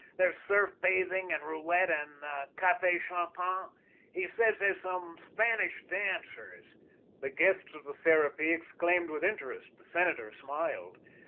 There's surf bathing and roulette and cafes chantants. He says there's some Spanish dancers——" The guests of the Serapis exclaimed with interest; the senator smiled.